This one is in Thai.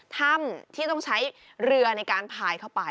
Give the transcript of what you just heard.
ถ้ำที่ต้องใช้เรือในการพายเข้าไป